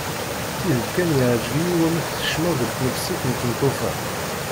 Tidet kan yeɛjeb-iyi wamek tkecmeḍ deg tnefsit n tmeṭṭut-a.